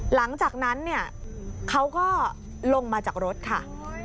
หลังจากนั้นเนี่ยเขาก็ลงมาจากรถค่ะ